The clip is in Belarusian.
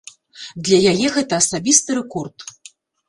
Для яе гэта асабісты рэкорд.